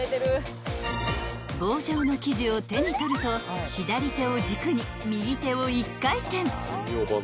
［棒状の生地を手に取ると左手を軸に右手を１回転］